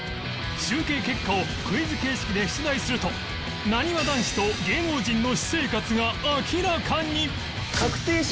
集計結果をクイズ形式で出題するとなにわ男子と芸能人の私生活が明らかに！？